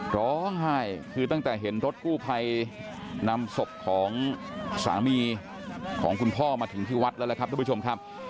ร้องไห้คือตั้งแต่เห็นรถกู้ภัยนำศพของสามีของคุณพ่อมาถึงที่วัดแล้วนะครับทุกผู้ชมครับ